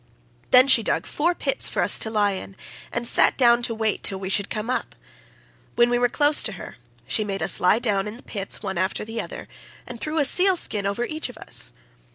Then she dug four pits for us to lie in, and sat down to wait till we should come up. When we were close to her, she made us lie down in the pits one after the other, and threw a seal skin over each of us.